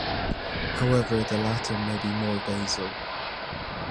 However, the later may be more basal.